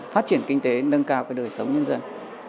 phát triển kinh tế nâng cao đời sống nhân dân